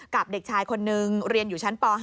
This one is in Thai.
เด็กชายคนนึงเรียนอยู่ชั้นป๕